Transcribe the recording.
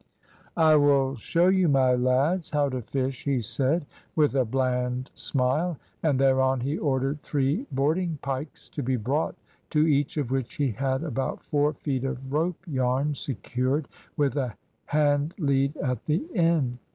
"`I will show you, my lads, how to fish,' he said, with a bland smile, and thereon he ordered three boarding pikes to be brought, to each of which he had about four feet of rope yarn secured, with a hand lead at the end.